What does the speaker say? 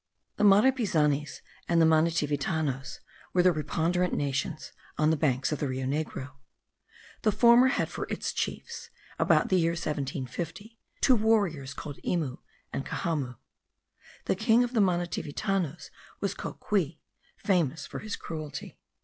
The Marepizanas and the Manitivitanos were the preponderant nations on the banks of the Rio Negro. The former had for its chiefs, about the year 1750, two warriors called Imu and Cajamu. The king of the Manitivitanos was Cocuy, famous for his cruelty.